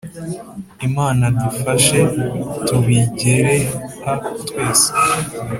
imana dufashe tubijyereha twese